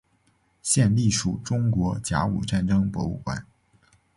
现隶属中国甲午战争博物馆。